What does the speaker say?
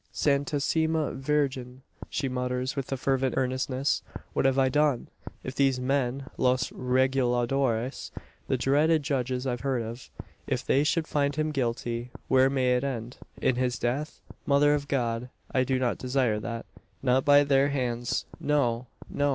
"Santissima Virgen!" she mutters with a fervent earnestness. "What have I done? If these men Los Reguladores the dreaded judges I've heard of if they should find him guilty, where may it end? In his death! Mother of God! I do not desire that. Not by their hands no! no!